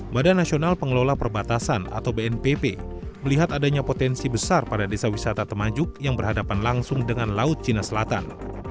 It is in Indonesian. badan nasional pengelola perbatasan atau bnpp melihat adanya potensi besar pada desa wisata temajuk yang berhadapan langsung dengan laut cina selatan